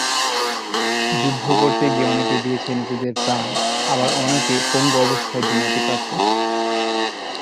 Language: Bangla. যুদ্ধ করতে গিয়ে অনেকে দিয়েছে নিজেদের প্রাণ, আবার অনেকে পঙ্গু অবস্থায় দিনাতিপাত করছে।